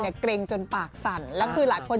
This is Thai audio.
ดูเกรงเกรงดูเกินเกิน